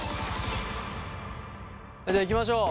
じゃあいきましょう。